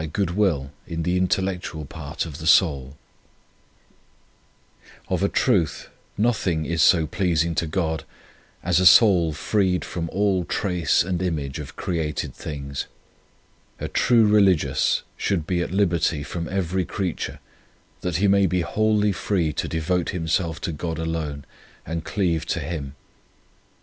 6 5 E On Union with God Of a truth nothing is so pleasing to God as a soul freed from all trace and image of created things. A true religious should be at liberty from every creature that he may be wholly free to devote him self to God alone and cleave to Him.